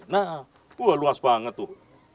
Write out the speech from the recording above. nah luas banget tuh